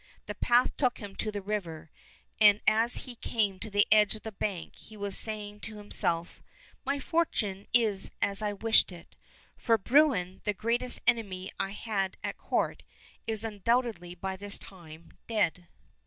The path took him to the river, and as he came to the edge of the bank he was saying to him self :" My fortune is as I wished it ; for Bruin, the greatest enemy I had at court, is undoubt edly by this time dead."